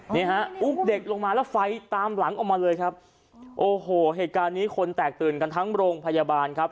นี่ฮะอุ้มเด็กลงมาแล้วไฟตามหลังออกมาเลยครับโอ้โหเหตุการณ์นี้คนแตกตื่นกันทั้งโรงพยาบาลครับ